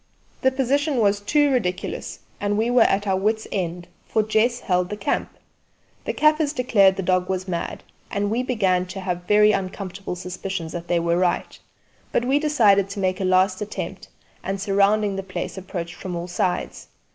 The position was too ridiculous, and we were at our wits' end; for Jess held the camp. The kaffirs declared the dog was mad, and we began to have very un¬comfortable suspicions that they were right; but we decided to make a last attempt, and surrounding the place approached from all sides.